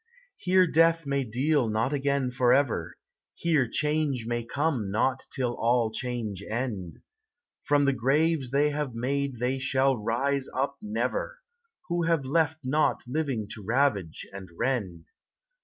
Here death may deal not again forever; Here change may come not till all change end. From the graves they have made they shall rise up never, Who have left nought living to ravage and rend.